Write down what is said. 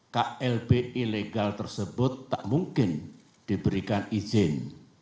klb ilegal tersebut tak mungkin diberikan izin